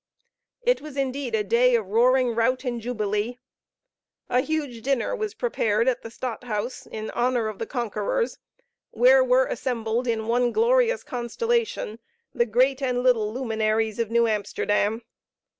It was indeed a day of roaring rout and jubilee. A huge dinner was prepared at the stadthouse in honor of the conquerors, where were assembled, in one glorious constellation, the great and little luminaries of New Amsterdam.